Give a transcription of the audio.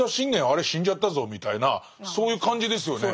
あれ死んじゃったぞみたいなそういう感じですよね。